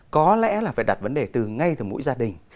có lẽ là phải đặt vấn đề từ ngay từ mỗi gia đình